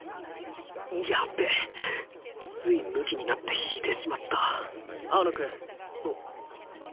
やっべついムキになって弾いてしまった青野くん。